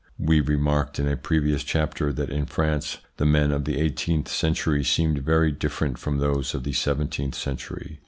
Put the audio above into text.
We remarked in a previous chapter that in France the men of the eighteenth century seemed very different from those of the seventeenth century.